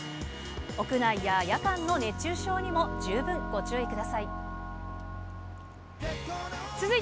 屋内や夜間の熱中症にも十分ご注意ください。